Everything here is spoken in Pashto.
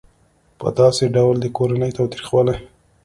په داسې ډول د کورني تاوتریخوالي